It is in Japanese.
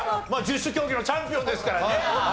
十種競技のチャンピオンですからね。